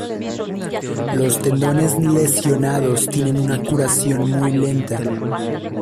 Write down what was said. Los tendones lesionados tienen una curación muy lenta.